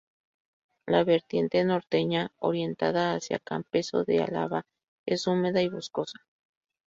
La vertiente norteña orientada hacia Campezo de Álava es húmeda y boscosa.